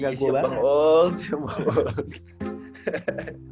iya siapa old siapa old